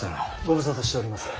ご無沙汰しております。